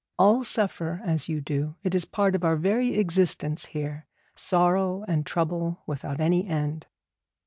All suffer as you do. It is part of our very existence here, sorrow and trouble without any end.'